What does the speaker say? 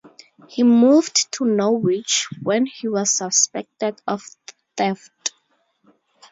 He moved to Norwich when he was suspected of theft.